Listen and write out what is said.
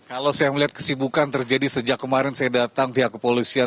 kalau saya melihat kesibukan terjadi sejak kemarin saya datang pihak kepolisian